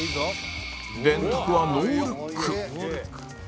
電卓はノールック